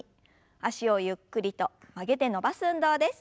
脚をゆっくりと曲げて伸ばす運動です。